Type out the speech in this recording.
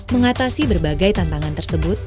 mengatasi berbagai tantangan tersebut